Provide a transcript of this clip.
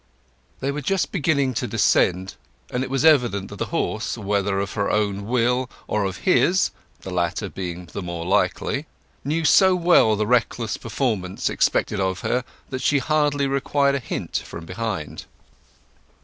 They were just beginning to descend; and it was evident that the horse, whether of her own will or of his (the latter being the more likely), knew so well the reckless performance expected of her that she hardly required a hint from behind.